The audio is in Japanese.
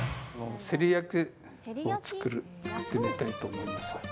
せり焼きを作ってみたいと思います。